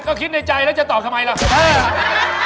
ซะคิดในใจแล้วจะตอบทำไมละเบี้ย